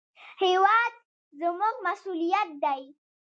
هېواد زموږ مسوولیت دی